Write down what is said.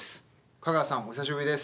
香川さん、お久しぶりです。